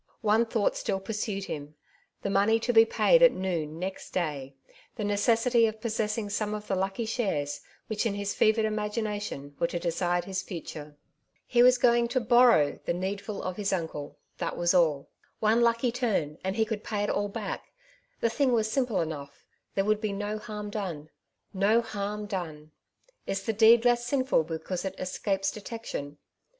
One thought still pursued k 200 " Two Sides to every Question!^ him — the moDey to be paid at noon next day — the necessity of possessing some of the lucky shares, which in his fevered imagination were to decide his future. He was going to harrow the needful of his uncle — that was all. One lucky turn, and he could pay it all back; the thing was simple enough; there would be no harm done. No harm done ! Is' the deed less sinful because it escapes detection